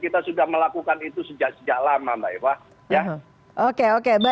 kita sudah melakukan itu sejak lama